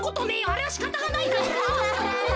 あれはしかたがないだろ！